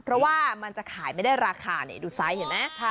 เพราะว่ามันจะขายไม่ได้ราคานี่ดูไซส์เห็นไหม